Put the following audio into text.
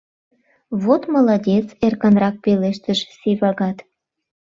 — Вот молодец! — эркынрак пелештыш Сивагат.